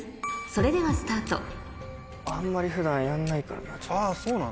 それではスタートあんまり普段やんないからな。